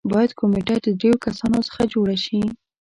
باید کمېټه د دریو کسانو څخه جوړه شي.